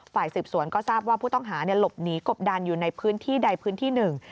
ฝ่ายสืบสวนก็ทราบว่าผู้ต้องหาหลบหนีกบดันอยู่ในพื้นที่ใดพื้นที่หนึ่ง